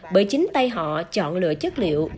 bởi chính tay họ chọn lựa chất liệu